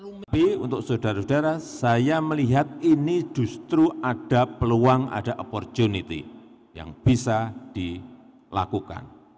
tapi untuk saudara saudara saya melihat ini justru ada peluang ada opportunity yang bisa dilakukan